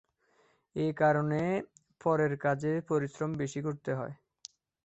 এ কারণে পরের কাজে পরিশ্রম বেশি করতে হয়।